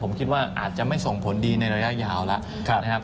ผมคิดว่าอาจจะไม่ส่งผลดีในระยะยาวแล้วนะครับ